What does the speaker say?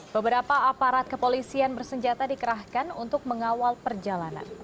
beberapa aparat kepolisian bersenjata dikerahkan untuk mengawal perjalanan